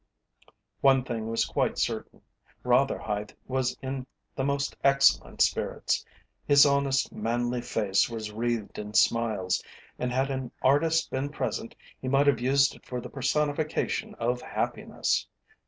One thing was quite certain: Rotherhithe was in the most excellent spirits. His honest, manly face was wreathed in smiles, and had an artist been present he might have used it for the personification of Happiness.